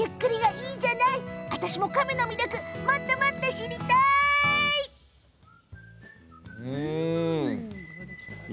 私もカメの魅力、もっと知りたい。